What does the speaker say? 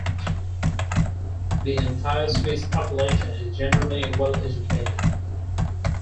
The entire Swiss population is generally well-educated.